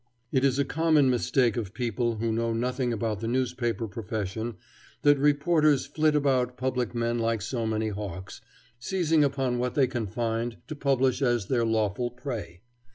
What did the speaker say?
It is a common mistake of people who know nothing about the newspaper profession that reporters flit about public men like so many hawks, seizing upon what they can find to publish as their lawful prey.